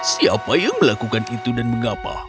siapa yang melakukan itu dan mengapa